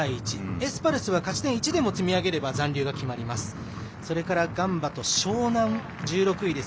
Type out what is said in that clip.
エスパルスは勝ち点１でも積み上げれば残留です。